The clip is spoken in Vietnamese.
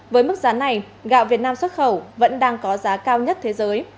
với mức giá này gạo việt nam xuất khẩu vẫn đang có giá cao nhất thế giới